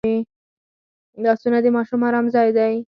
لاسونه د ماشوم ارام ځای دی